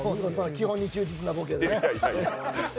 基本に忠実なロケでね。